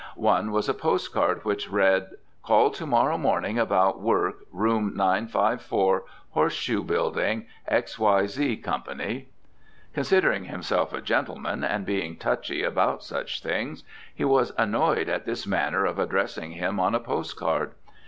One was a postcard which read: "Call to morrow morning about work, Room 954, Horseshoe Building, X. Y. Z. Co." Considering himself a gentleman, and being touchy about such things, he was annoyed at this manner of addressing him on a postcard.